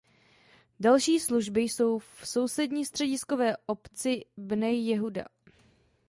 Další služby jsou v sousední střediskové obci Bnej Jehuda.